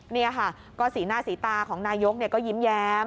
นี่ค่ะก็สีหน้าสีตาของนายกก็ยิ้มแย้ม